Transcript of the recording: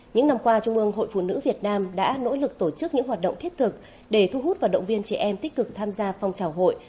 những năm qua trung ương hội phụ nữ việt nam đã nỗ lực tổ chức những hoạt động thiết thực để thu hút và động viên trẻ em tích cực tham gia phong trào hội